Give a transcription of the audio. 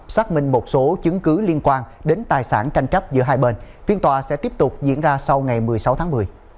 xác minh một số chứng cứ liên quan đến tài sản tranh chấp giữa hai bên phiên tòa sẽ tiếp tục diễn ra sau ngày một mươi sáu tháng một mươi